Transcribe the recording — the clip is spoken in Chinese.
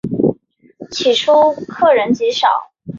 起初客人极少。